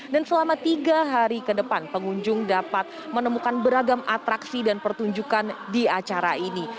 dan selama tiga hari ke depan pengunjung dapat menemukan beragam atraksi dan pertunjukan di acara ini